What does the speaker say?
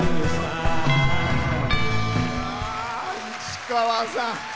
市川さん。